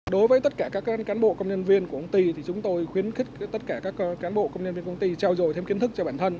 đối với tất cả các cán bộ công nhân viên của công ty thì chúng tôi khuyến khích tất cả các cán bộ công nhân viên công ty trao dồi thêm kiến thức cho bản thân